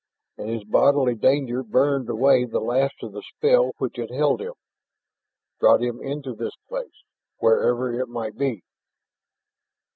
And his bodily danger burned away the last of the spell which had held him, brought him into this place, wherever it might be.